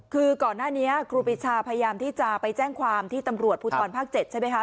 คือก่อนหน้านี้ครูปีชาพยายามที่จะไปแจ้งความที่ตำรวจภูทรภาค๗ใช่ไหมคะ